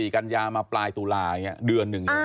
กันยามาปลายตุลาอย่างนี้เดือนหนึ่ง